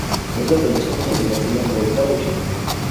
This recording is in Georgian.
მეზობელი სოფლებია წინანდალი და ბუშეტი.